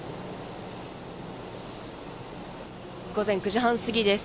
午前９時半過ぎです。